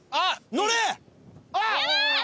乗れ！